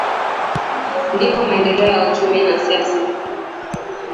ndipo maendeleo ya uchumi na siasa